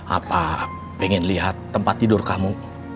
apa pengen lihat tempat tidur kamu